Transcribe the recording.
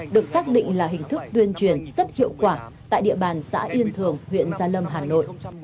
được xác định là hình thức tuyên truyền rất hiệu quả tại địa bàn xã yên thường huyện gia lâm hà nội